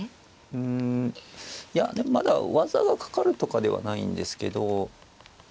うんいやでもまだ技がかかるとかではないんですけど。